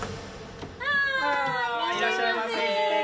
あぁいらっしゃいませ。